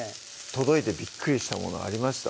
届いてびっくりしたものありました？